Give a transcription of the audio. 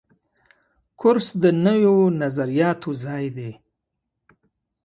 کورس د نویو نظریاتو ځای دی.